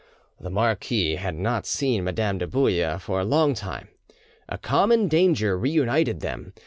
The marquis had not seen Madame de Bouille for a long time; a common danger reunited them.